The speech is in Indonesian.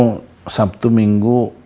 kamu sabtu minggu